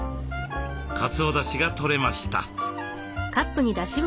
かつおだしがとれました。